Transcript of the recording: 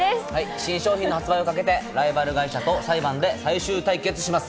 新商品の発売をかけ、ライバル会社と裁判で最終対決します。